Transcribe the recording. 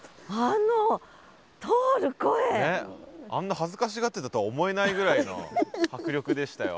あんな恥ずかしがってたとは思えないぐらいの迫力でしたよ。